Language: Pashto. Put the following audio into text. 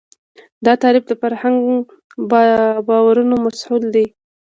دا تعریف د فرهنګي باورونو محصول دی.